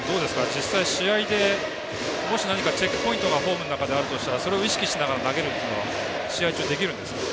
実際、試合でもし何かチェックポイントがフォームの中であるのであればそれを意識しながら投げるというのは試合中できるんですか？